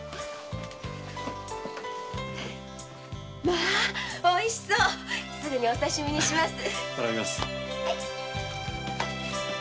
まあっおいしそうすぐお刺身にします。